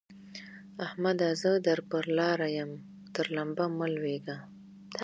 احمده! زه در پر لاره يم؛ تر لمبه مه لوېږه.